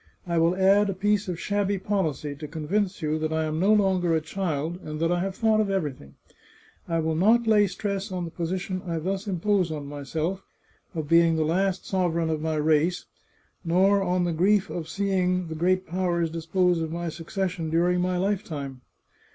I will add a piece of shabby policy, to convince you that I am no longer a child, and that I have thought of everything. I will not lay stress on the position I thus impose on myself, of being the last sovereign of my race, nor on the grief of seeing the great powers dis pose of my succession during my lifetime.